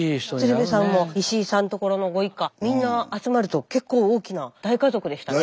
鶴瓶さんも石井さんところのご一家みんな集まると結構大きな大家族でしたね。